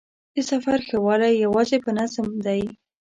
د سفر ښه والی یوازې په نظم دی.